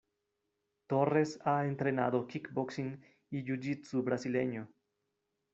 Torres ha entrenado Kickboxing y Jiu-Jitsu Brasileño.